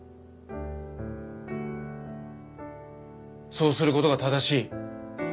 そうする事が正しい。